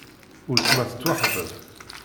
Uletma tettwaxḍeb.